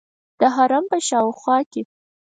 د حرم په شاوخوا کې.